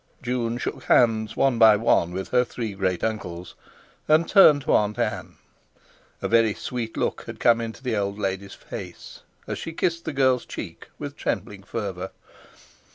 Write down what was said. June shook hands one by one with her three great uncles, and turned to Aunt Ann. A very sweet look had come into the old lady's face, she kissed the girl's check with trembling fervour.